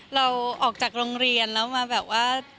เราออกจากโรงเรียนแล้วมาแบบว่า